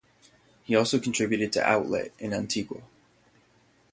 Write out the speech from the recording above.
He also contributed to "Outlet" in Antigua.